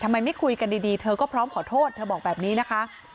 ไม่คุยกันดีเธอก็พร้อมขอโทษเธอบอกแบบนี้นะคะ